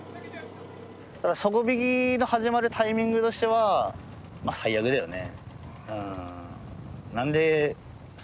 底引きの始まるタイミングとしては最悪だよね。